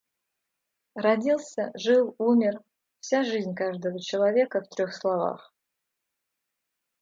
Родился, жил, умер. Вся жизнь каждого человека в трёх слова.